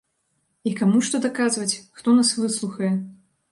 І каму што даказваць, хто нас выслухае?